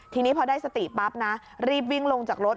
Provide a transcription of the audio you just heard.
ทีนี้พอได้สติปั๊บนะรีบวิ่งลงจากรถ